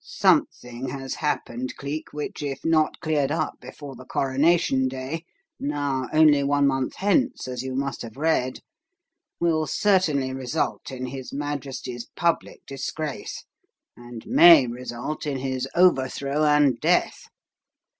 "Something has happened, Cleek, which, if not cleared up before the coronation day now only one month hence, as you must have read will certainly result in his Majesty's public disgrace, and may result in his overthrow and death!